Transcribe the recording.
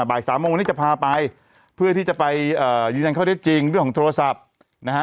บ่ายสามโมงวันนี้จะพาไปเพื่อที่จะไปเอ่อยืนยันข้อได้จริงเรื่องของโทรศัพท์นะฮะ